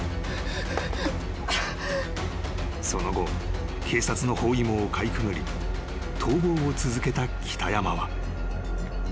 ［その後警察の包囲網をかいくぐり逃亡を続けた北山は］